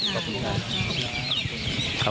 ขอบคุณครับ